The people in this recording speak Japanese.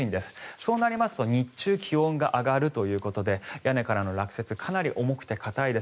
そうなりますと日中気温が上がるということで屋根からの落雪かなり重くて硬いです。